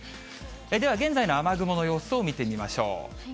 では現在の雨雲の様子を見てみましょう。